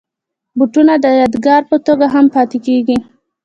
بوټونه د یادګار په توګه هم پاتې کېږي.